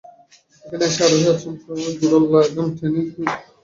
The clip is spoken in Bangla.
এখানে এসে আরোহী আচমকা ঘোড়ার লাগাম টেনে ধরেন এবং ঘোড়া পশ্চাৎমুখী করেন।